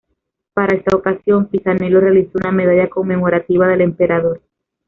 Para esta ocasión, Pisanello realizó una medalla conmemorativa del emperador.